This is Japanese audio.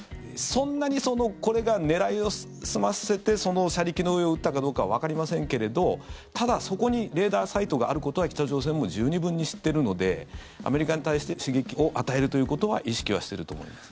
そんなにこれが狙い澄まして車力の上を撃ったかどうかはわかりませんけれどただ、そこにレーダーサイトがあることは北朝鮮も十二分に知ってるのでアメリカに対して刺激を与えるということは意識はしていると思います。